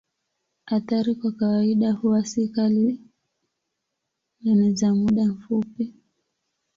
Athari kwa kawaida huwa si kali na ni za muda mfupi.